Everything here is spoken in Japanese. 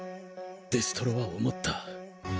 デストロは想った！